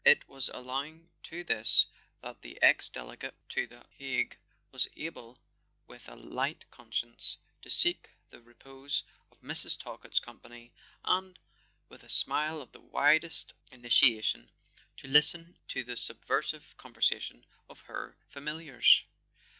It was owing to this that the ex Delegate to the Hague was able, with a light conscience, to seek the repose of Mrs. Talkett's company and, with a smile of the widest initiation, to listen to the subversive conversation of her familiars.